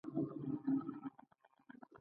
له اسراییلو سره هیڅ اړه نه لري.